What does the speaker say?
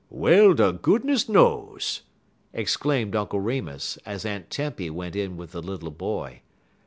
"Well de goodness knows!" exclaimed Uncle Remus, as Aunt Tempy went in with the little boy.